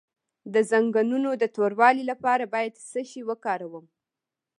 د زنګونونو د توروالي لپاره باید څه شی وکاروم؟